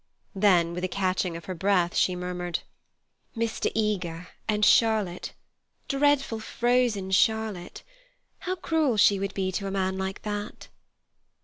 Then with a catching of her breath, she murmured: "Mr. Eager and Charlotte, dreadful frozen Charlotte. How cruel she would be to a man like that!"